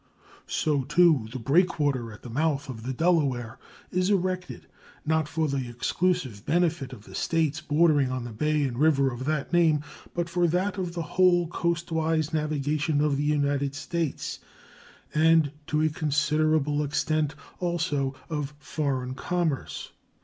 So, too, the breakwater at the mouth of the Delaware is erected, not for the exclusive benefit of the States bordering on the bay and river of that name, but for that of the whole coastwise navigation of the United States and, to a considerable extent, also of foreign commerce.